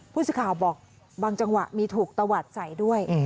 ผู้สื่อข่าวบอกบางจังหวะมีถูกตะวัดใส่ด้วย